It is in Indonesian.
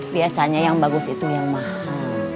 biasanya yang bagus itu yang mahal